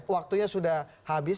waktunya sudah habis